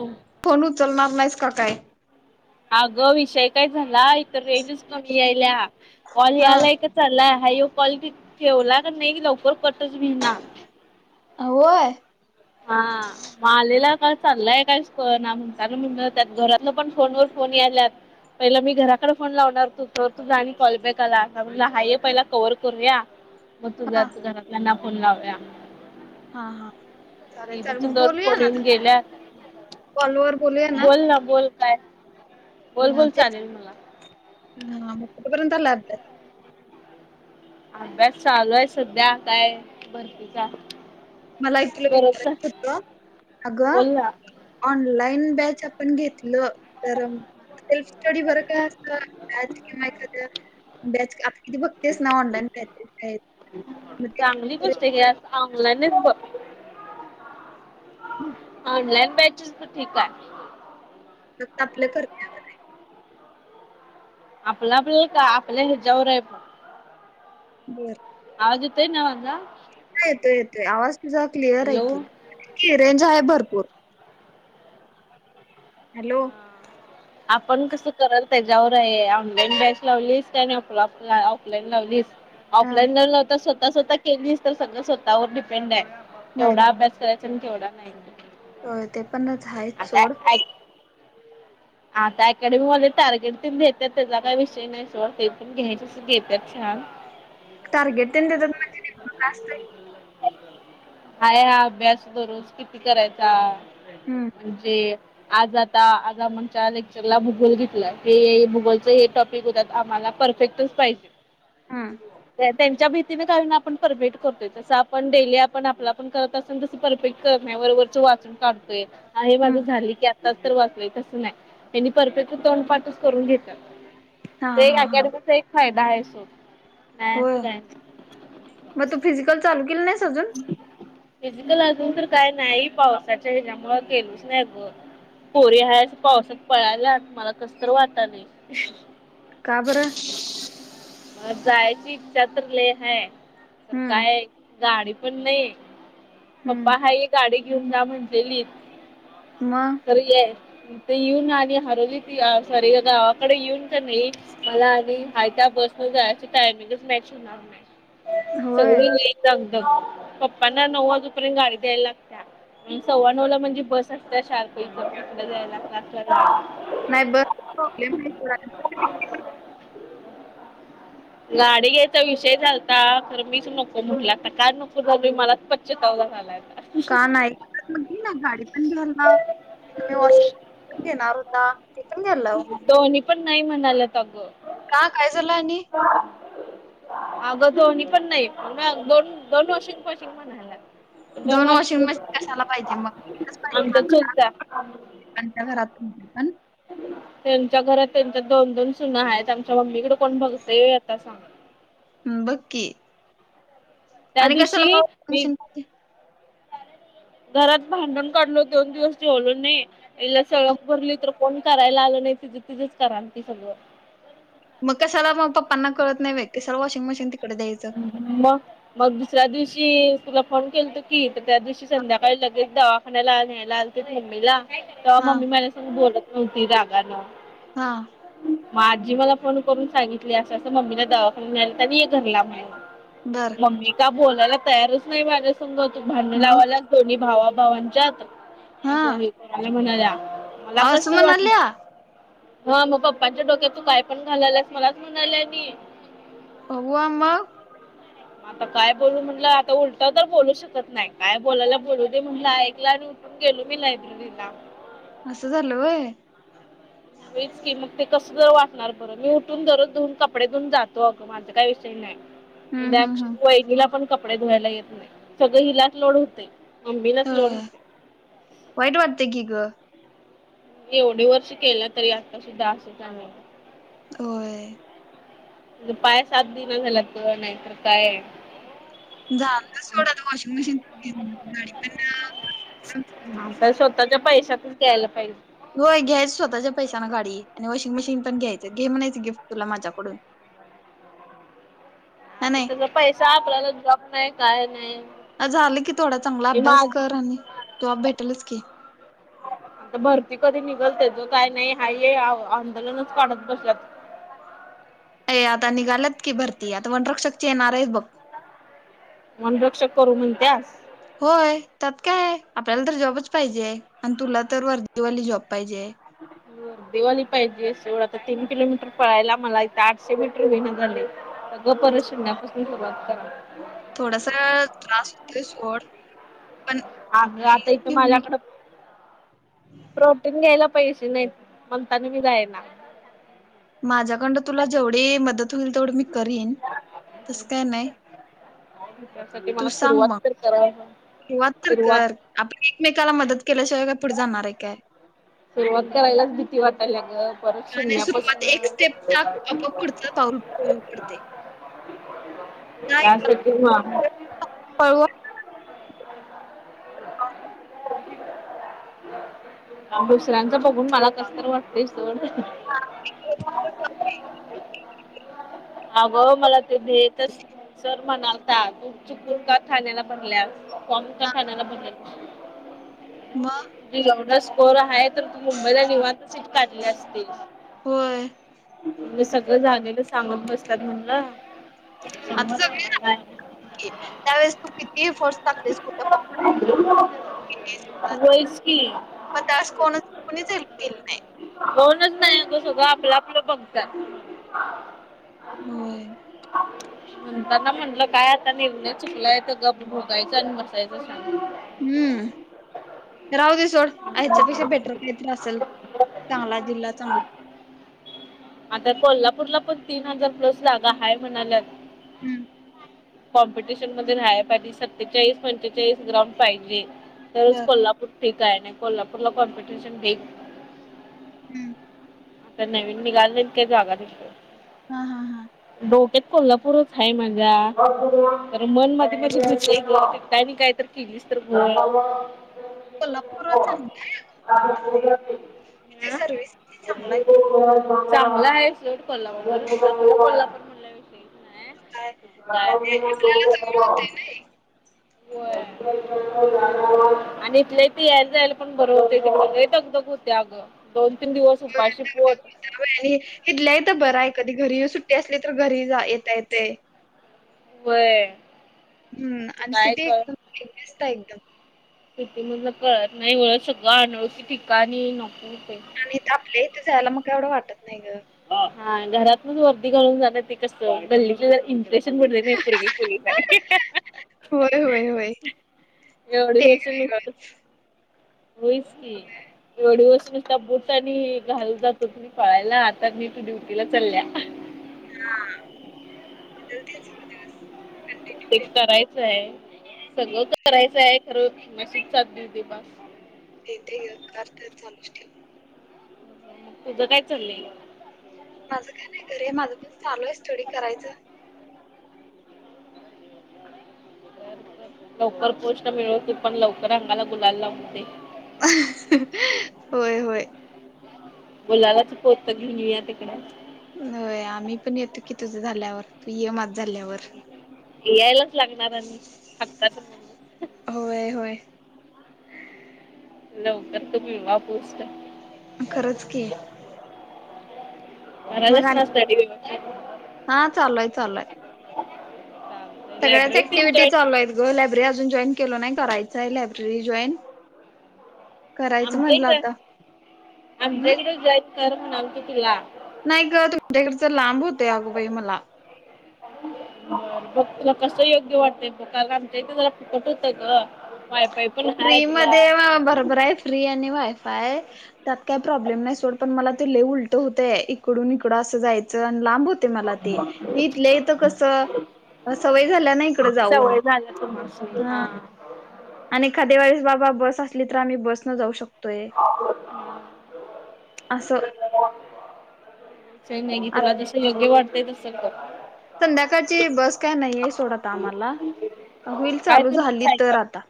हं फोन उचलणार नाहीस का काय? अगं विषय काय झाला, इत रेंजच कमी आले रेंजच कमी यायल्या कॉल हा. यालाय का चालाय हाय आहे हो कॉल बि ठेवला कनी लवकर कटच होईना. अं होय हा... मग आलेला का चाललंय कायच कळना म्हणतानं म्हणलं, त्यात घरातलं पण फोनवर फोन याल्यात. पहिला मी घराकडं फोन लावणार होतो तवर तुझा आणि कॉल बॅक आला, आता म्हणलं हाय ये पहिला कवर करूया, मग हा तुझाच घरातल्यांना फोन लावूया. हा हा.... चालेल चालेल दीदीचं मग दोन बोलूया फोन ना येऊन गेल्यात. कॉलवर बोलूया बोल ना, बोल काय, बोल -बोल तेच चालेल मला हा मग कुठपर्यंत आलाय अभ्यास? अभ्यास चालू आहे, सध्या काय भरतीचा मला एक तुला बरोबर विचारायचं होतं. अगं बोल ना ऑनलाइन बॅच आपण घेतलं, तर सेल्फ स्टडी बर काय [unintelligible] बॅच घ्या त्या बॅच आप किती बघ मग ते चांगली गोष्ट यात ऑनलाईनच बघ ऑनलाईन बॅच सेल त ठीक आहे. फक्त आपलं करत्या. आपलं आपल्याला काय आपल्या हेच्यावर हाय बघ. बर. आवाज येतोय ना माझा? हा येतोय, येतोय आवाज तुझा क्लिअर आहे हॅलो की, रेंज आहे भरपूर हॅलो.... आपण कसं करल त्याच्यावर आहे, ऑनलाईन बॅच लावलीस, काय आपल्या आप ऑफलाईन लावलीस, हा ऑफलाईन हम्म ला नव्हत स्वतः स्वतः केलीच तर सगळं स्वतःवर डिपेंड आहे. एवढा अभ्यास कर पण तेवढा नाही. होय ते पणच आहेच आता सोड. ऐक आता अकॅडमीवाले टारगेट तेन देतात, त्याचा काय विषय नाही सोड ते पण घ्यायचंच. देत्यात छान टारगेट तेन देत्यात म्हणजे नेमकं काय असतयं? हाय हा अभ्यास दररोज किती करायचा, हा आणि जे आज आता आज म्हणच्या लेक्चरला भूगोल घेतला, ते भूगोलच हे टॉपिक होत, आम्हांला पर फेक्टचं पाहिजे. हम्म त्यांच्या भीतीने कारण आपण परफेक्ट करतोय तसं पण डेली आपण आपला पण करत असेल तस परफेक्ट करत नाही वरवरचे वाचून काढतोय. हे माझं हम्म झाले की आताच तर वाचलंय तसं नाही त्यांनी परफेक्टच तोंड पाठच करून घेतात. हा ते हा हा अकॅडमीचा एक फायदा आहे सो. होय मग तू फिजिकल चालू केली नाहीस अजून फिजिकल अजून तर काय नाही पावसाच्या हच्यामुळे केेलच नाही ग पोरी आहे पावसात पळाल्यात मला कस तरी वाटाले का बरं? जायची इच्छा तर लेय आहे पण हम्म काय गाडी पण नाही पप्पा हम्म आहत गाडी घेऊन जा म्हटलेली मग येथे येऊन आणि हरवलीत सॉरी गावाकडे येऊन का नाही मला आणि हाय त्या बसने जायची टायमिंगच मॅच होणारच नाही होय सगळी दग दग पप्पांना नऊ वाजेपर्यंत गाडी द्यायला लागते सव्वा नऊ ला म्हणजे बस असत शार्प एकदम कुठ जायला नाही बस [inaudible] प्रॉब्लेम नाही गाडी घ्यायचा विषय चालला होता खर मीच नको म्हटलं आता का नको बोली मला स्वताला पश्चाताप झालाय आता काय नाही ग [inaudible] गाडी पण घ्यायला वॉश घणार होता ते पण घ्याल लाव दोन्ही पण नाही म्हणाला अग का काय झालं आणि? अगं दोन्ही पण नाही दोन दोन वर्षा पासून म्हणाल्यात दोन वर्ष वॉशिंग मशीन कशाला पाहिजे मग एकच पासून पाहिजे आमचा चुलता आमच्या घरातून ते पण त्यांच्या घरात त्यांच्या दोन दोन सुना आहेत आमच्या मम्मीकडे कोण बघतय आता सांगा बग की. त्या आम्ही कशाला दिवशी पाऊ मी [inaudible] घरात भांडण काढलो दोन दिवस जेवलो नाही तिला सडक भरली तर कोण करायला आलं नाही तिच तिच करा म्हणती सगळं मग कसाला मग पप्पांना कळत नाही होय वॉशिंग मशीन तिकडे द्यायच. मग मग दुसऱ्या दिवशी तुला फोन केलता की तर त्या दिवशी संध्याकाळी लगेलच दवाखान्याला न्यायाला आलतेना मम्मीला तेव्हा हा मम्मी माझा संग बोलत नव्हती रागान हा मग आजीने मला फोन करून सांगितली अस अस मम्मीला दवाखान्याला नेलत तर ये घरला बघायला. बर. मम्मी काय बोलायला तयारच नाही माझ्या संग तू भांड मग लावायलाच दोन्ही भावा भावनांच्यात. हा असं हे का बर म्हणाल्या मला असं कसतरी वाटलं म्हणाल्या हा मग पप्पांच्या डोक्यात तू काय पण घालायलायस मलाच म्हणा लागली. अव्वा मग? आता काय बोलू म्हणलं आता उलट तर बोलू शकत नाही काय बोलायला बोलू दे म्हटलं ऐकला गेली मी लायब्ररीला अस झालं होय. हो की मग ते कसं तरी वाटणार बर मी उठून रोज कपडे धुऊन जातो अगं अस काय विषय नाही. हम्म हम्म हम्म बहिणीला पण कपडे धुवायला येत नाही सगळं हिलाच लोड होतय मम्मीलाच लोड होय वाईट वाटतय की ग मी एवढी वर्ष केला तरी आत्ता सुद्धा असंच आहे. होय. माझं पाय साथ देईना झाल्यात ग नायतर काय झालं सोड आता वॉशिंग मशीन घेतली. हा तर स्वतःच्या पैशातनच द्यायला पाहिजे. होय घ्यायचं स्वतःच्या पैशानं गाडी आणि वॉशिंग मशीन पण घ्यायचं घे म्हणायचं गिफ्ट तुला माझ्याकडून नाही आता नाही त्याचा पैसा आपल्याला जॉब नाय काय नाय अ झालं की थोडा चांगला अभ्यास कर आणि जॉब भेटेलच की आता भरती कधी निघल त्याच काय नाही हाय ये आंदोलनच काढत बसल्यात. ए आता निघाल्यात की भरती आता वनरक्षकचे येणार आहेत बघ. वनरक्षक करू म्हणत्यास? होय त्यात काय आपल्याला तर जॉबच पाहिजेय आणि तुला तर वर्दीवाली जॉब पाहिजे. [inaudible] वर्दीवाली पाहिजे सोड आता तर तीन किलोमीटर पळायला मला इथं आठशे मीटर होईना झालय. अगं परत शून्यापासून सुरुवात करा. थोडासा त्रास होतोय सोड पण आगं आता केलीस इथं की होईल माझ्याकडं की. प्रोटीन घ्यायला पैसे नाहीत म्हणून तर मी जायना. माझ्याकडनं तुला जेवढी मदत होईल तेवढी मी करीन तसं काय नाय [unintelligible] तू सांग मग तर कराव सुरवात तर कर. सुरुवात आपण एकमेकाला मदत केल्याशिवाय काय पुढं जाणार ये काय? सुरुवात करायलाच भीती वाट झालेय सुरुवात एक स्टेप टाक आपोआप पुढचं पाऊल पडतय. [unintelligible] [unintelligible] [unintelligible] हा सरांच बघून मला कस तर वाटतय सोड. [unintelligible] आव मला ते बेतच सर म्हणालता तू चुकून का ठाण्याला भरल्यास फॉर्म का ठाण्याला भरलास? मग जी एवढ स्कोर हायत तर मुंबईला निवांत सीट काढली असतीस होय मी सग ळ झालेलं सांगत बसतात मुल आता जाऊया की त्यावेळेस तू कितीही फोर्स वयच की मग त्यास कोण कोणीच हेल्प केली नाही. कोणच नाही अगं सगळं आपलं आपलं बघतात. होय. त्यांना म्हटलं काय आता निर्णय चुकलाय तर गप भोगायचं आणि बसायचं शांत हम्म, राहू दे सोड, याच्या पेक्षा बेटर शांत. काहीतरी असलं चांगला जिल्हा चांगला आता कोल्हापूरला पण तीन हजार प्लस जागा हाय म्हणाल्यात. हम्म कॉम्पिटिशन मध्ये राहाय पाहिजे सत्तेचाळीस पंचेचाळीस ग्राउंड पाहिजे. तरचं बर. कोल्हापूर ठीक हाय नाहीतर कोल्हापूरला कॉम्पिटिशन ढीग हम्म आता नवीन निघाली नाहीत का जागा तिथं. हा हा हा. डोक्यात कोल्हापूरच हाय माझ्या खंर मन मध्ये मध्ये भितय ग तिथं आणि काय तर केलीस तर घोळ कोल्हापूर चांगली आहे वाटते [inaudible] म्हणजे सर्व्हिस किती चांगलाय? चांगल हाय सोड कोल्हापूर, कोल्हापूर म्हणल्याव विषयीच नाय काय व्हय. सगळ होते ना हे. [unintelligible] आणि इथल्या इथं यायला जायला पण बरं होतय नाहीतर लई दगदग होत्या अगं. दोन तीन दिवस होय उपाशी पोट दगदग [inaudible] आणि हिथल्या हितं बर हाय कधी घरी सुट्टी असली तर घरी येता येतय. व्हय हम्म आणि काय सिटी कळ एकदम जास्त हाय एकदम सिटी मधलं कळत नाही सगळं अनोळखी ठिकाणी नको हुतंय. आणि इथं आपल्या इथं जायला मग काय एवढं वाटत नाही गं. हा घरातनच वर्दी घालून जाणं ते कस गल्ली इम इंप्रेशन पडतंय नाही पुरगी पोलीस हाय होय होय होय एवढी ते वर्ष एक नुसतं होय च की एवढी वर्ष नुसतं बूट आणि घालू जात होती पळायला आता मी ड्युटीला चालल्या. हा. [inaudible] ते करायचं हाय सगळं करायचं हाय खरं नशीब साथ देऊ दे बास. देते ग [unintelligible] चालूच ठेव तुझं काय चालय? माझं काय नाही घरी आहे माझं पण चालू आहे स्टडी करायचं. लवकर पोस्ट मिळव तू पण लवकर अंगाला गुलाल लावून दे. होय होय. गुलालाचं पोतं घेऊन येऊया तिकडं होय आम्ही पण येतो की तुझं झाल्यावर तू ये माझं झाल्यावर. यायलाच लागणार आणि हक्काचं होय होय. लवकर तरं मिळावा पोस्ट. खरंच की मग आणि हा चालूय चालूय [unintelligible] सगळ्याच तेन ऍक्टिव्हिटी जॉईन चालू कर हाईत ग लायब्ररी अजून जॉईन केल नाही करायचं आहे लायब्ररी जॉईन. करायचं आमच्या म्हटलं इकडे आता आमच्या हम् इकडे जाईन कर म्हणालतो तुला. नाही ग तुमच्याकडे तर लांब होतय अग बाई मला. बघ तुला कस योग्य वाटतय बघ कार आमच्या इ जरा फुकट होतं ग. Wifi. फ्री मध्ये बरोबर आहे फ्री आणि वायफाय. त्यात काय प्रॉब्लेम नाही सोड, पण मला ते लय उलट होतय, इकडून इकडं असं जायचं आणि लांब होत. मला ते हि इथले येतं कसं. सवय झाल्या ना इकड जाऊन सवय झाल्या तुम्हासनी हा. आणि एकखा दे वेळेस बाबा बस असली तर आम्ही बस न जाऊ शकतो. ते असं. नाही की आ तुला जस योग्य वाटतंय तस कर. संध्याकाळची बस काय नाहीये सोड आता आम्हाला व्हील काय चालू तुम्ही झाली तर आता.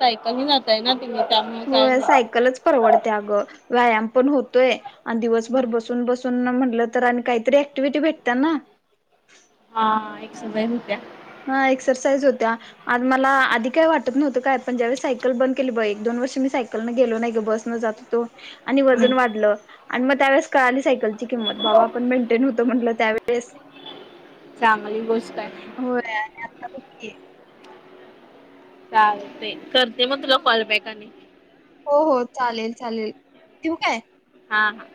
सायकल ना जातय ना? तता [inaudible] हो सायकलच परवडते, अगं व्यायाम पण होतोय आणि दिवसभर बसून बसून. म्हटलं तर आणि काहीतरी क्टिव्हटी भेटतात ना. हा एक सवय होत्या. हा एक्सरसाईज होत्या. आज मला आधी काय वाटत नव्हतं काय, पण ज्यावेळेस सायकल बंद केली बघ, एक दोन वर्ष मी सायकलनं गेलो नाही ग बस न जात. त [inaudible] आणि वजन वाढलं, आणि मग त्यावेळेस कळाली सायकलची किंमत. बाबा आपण मेंटेन होतं म्हटलं त्यावेळेस. चांगली गोष्ट आहे. होय आणि आता बग की. चालते करते मग तुला कॉलबॅक आणि. हो हो चालेल चालेल ठेऊ काय. हा हा